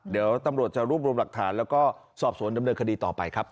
เดี๋ยวตำรวจจะรวบรวมหลักฐานแล้วก็สอบสวนดำเนินคดีต่อไปครับ